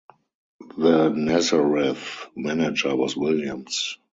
The Nazareth manager was Williams.